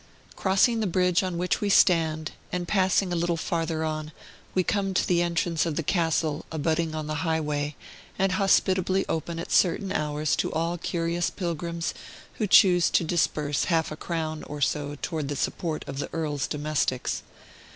Crossing the bridge on which we stand, and passing a little farther on, we come to the entrance of the castle, abutting on the highway, and hospitably open at certain hours to all curious pilgrims who choose to disburse half a crown or so toward the support of the earl's domestics.